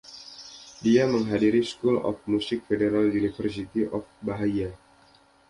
Dia menghadiri School of Music Federal University of Bahia.